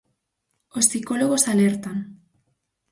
Os psicólogos alertan.